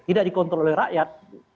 tidak dikontrol oleh rakyat